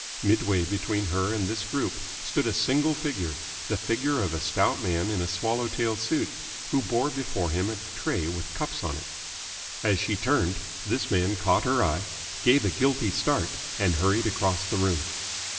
Midway between her and this group stood a single figure, the figure of a stout man in a swallow tail suit, who bore before him a tray with cups on it. As she turned, this man caught her eye, gave a guilty start, and hurried across the room.